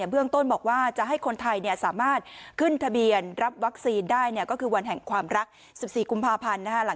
เบื้องต้นบอกว่าจะให้คนไทยสามารถขึ้นทะเบียนรับวัคซีนได้ก็คือวันแห่งความรัก๑๔กุมภาพันธ์